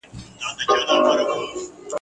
هم خوښي او هم غمونه په ژوندون کي سي راتللای ..